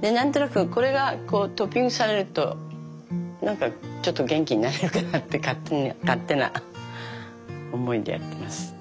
で何となくこれがこうトッピングされると何かちょっと元気になれるかなって勝手な思いでやってます。